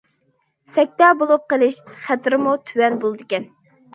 سەكتە بولۇپ قېلىش خەتىرىمۇ تۆۋەن بولىدىكەن.